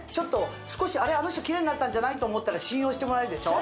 少しあの人キレイになったんじゃない？と思ったら信用してもらえるでしょ